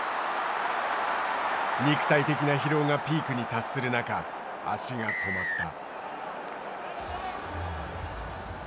肉体的な疲労がピークに達する中足が止まった。